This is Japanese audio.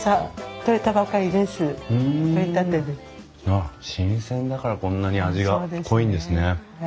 ああ新鮮だからこんなに味が濃いんですね。